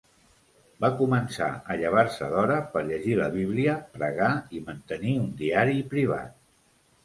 Va començar a llevar-se d'hora per llegir la Bíblia, pregar i mantenir un diari privat.